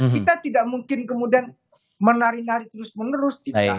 kita tidak mungkin kemudian menari nari terus menerus kita